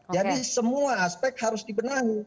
jadi semua aspek harus dibenahi